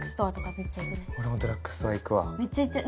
めっちゃ行っちゃう。